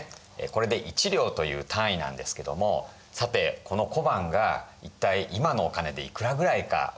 これで１両という単位なんですけどもさてこの小判が一体今のお金でいくらぐらいか分かりますか？